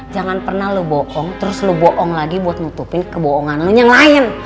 jangan pernah lu bohong terus lu bohong lagi buat nutupin kebohongan lu yang lain